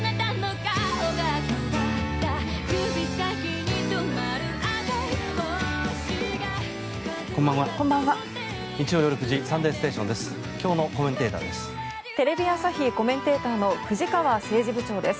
日曜夜９時「サンデーステーション」です。